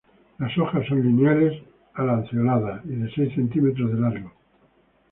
Las hojas son lineales a lanceoladas y de seis centímetros de largo.